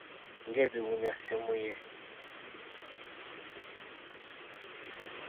Ng'ebiwunya ssemuye.